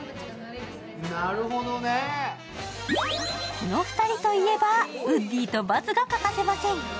この２人といえばウッディとバスが欠かせません。